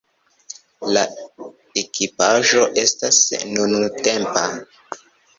La ekipaĵo estas nuntempa.